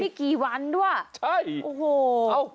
มีกี่วันด้วย